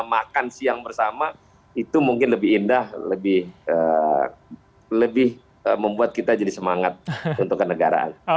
makan siang bersama itu mungkin lebih indah lebih membuat kita jadi semangat untuk kenegaraan